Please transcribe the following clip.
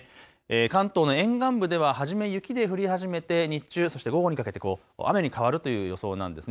関東の沿岸部では初め雪で降り始めて日中、そして午後にかけて雨に変わるという予想なんですね。